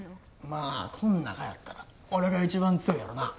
まあこの中やったら俺が一番強いやろな。